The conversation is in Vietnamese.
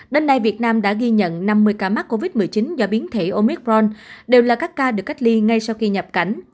đến nay việt nam đã ghi nhận năm mươi ca mắc covid một mươi chín do biến thể omicron đều là các ca được cách ly ngay sau khi nhập cảnh